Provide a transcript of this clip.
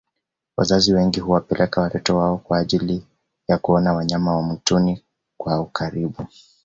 wazazi wengi huwapeleka watoto wao kwa ajiili ya kuona wanyama wa mwituni kwa ukaribu